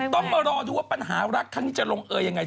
ต้องมารอดูว่าปัญหารักครั้งนี้จะลงเออยังไง